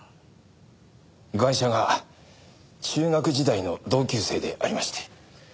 ガイシャが中学時代の同級生でありまして。